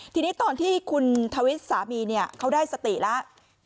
ทีนี้ตอนที่คุณทวิทย์สามีเขาได้สติแล้ว